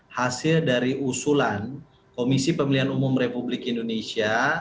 hasil dari usulan komisi pemilihan umum republik indonesia